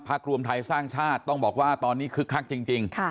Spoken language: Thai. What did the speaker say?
รวมไทยสร้างชาติต้องบอกว่าตอนนี้คึกคักจริง